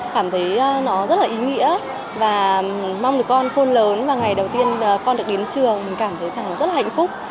cảm thấy nó rất là ý nghĩa và mong được con khôn lớn và ngày đầu tiên con được đến trường mình cảm thấy rằng rất là hạnh phúc